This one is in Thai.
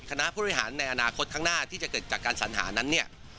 คณะผู้บริหารในอนาคตข้างหน้าที่จะเกิดจากการสัญหานั้นเนี่ย